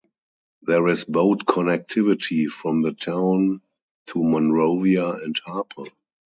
There is boat connectivity from the town to Monrovia and Harper.